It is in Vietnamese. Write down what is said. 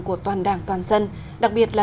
của toàn đảng toàn dân đặc biệt là